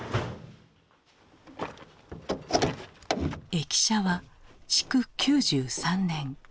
駅舎は築９３年。